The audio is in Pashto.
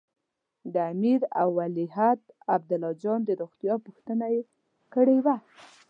د امیر او ولیعهد عبدالله جان د روغتیا پوښتنه یې کړې وه.